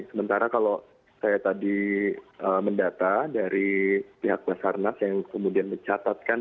sementara kalau saya tadi mendata dari pihak basarnas yang kemudian mencatatkan